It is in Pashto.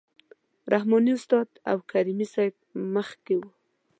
رحماني استاد او کریمي صیب مخکې وو.